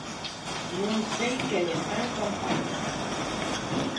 Non sei quen está en campaña.